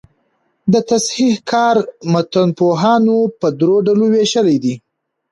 د تصحیح کار متنپوهانو په درو ډلو ویشلی دﺉ.